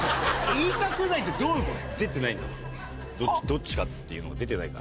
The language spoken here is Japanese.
言いたくないってどういうこと？